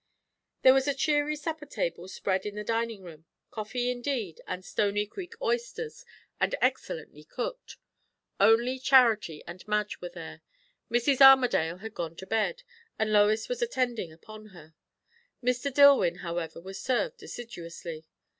There was a cheery supper table spread in the dining room; coffee, indeed, and Stoney Creek oysters, and excellently cooked. Only Charity and Madge were there; Mrs. Armadale had gone to bed, and Lois was attending upon her. Mr. DilIwyn, however, was served assiduously.